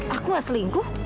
aku gak selingkuh